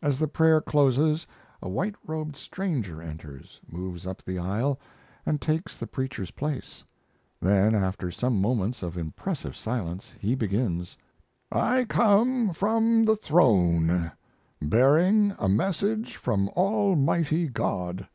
As the prayer closes a white robed stranger enters, moves up the aisle, and takes the preacher's place; then, after some moments of impressive silence, he begins: "I come from the Throne bearing a message from Almighty God!....